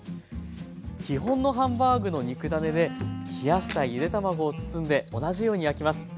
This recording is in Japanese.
基本のハンバーグの肉ダネで冷やしたゆで卵を包んで同じように焼きます。